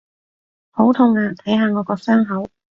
好痛啊！睇下我個傷口！